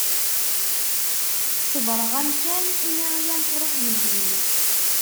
Ṣebreɣ-am kan imi i am-truḥ yelli-m.